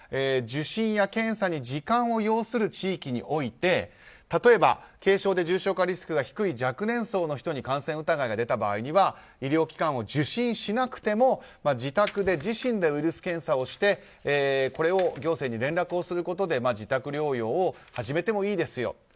受診や検査に時間を要する地域において例えば軽症で重症化リスクが低い若年層の人に感染疑いが出た場合には医療機関を受診しなくても自宅で自身でウイルス検査をしてこれを行政に連絡をすることで自宅療養を始めてもいいですよ。